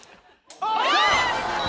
あっ！